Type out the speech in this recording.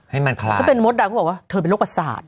ให้มันคลายคือเป็นมดดำก็บอกว่าเธอเป็นโรคประสาท